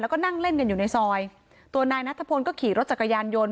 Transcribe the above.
แล้วก็นั่งเล่นกันอยู่ในซอยตัวนายนัทพลก็ขี่รถจักรยานยนต์